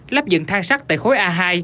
lắp dựng thang sắt tại khối a hai